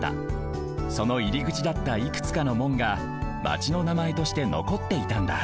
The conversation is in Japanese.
そのいりぐちだったいくつかの門がマチのなまえとしてのこっていたんだ